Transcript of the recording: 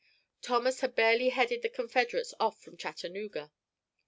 Thomas had barely headed the Confederates off from Chattanooga.